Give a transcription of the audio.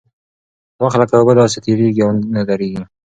وخت لکه اوبه داسې تېرېږي او نه درېږي.